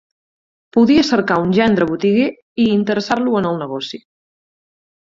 Podia cercar un gendre botiguer, i interessar-lo en el negoci.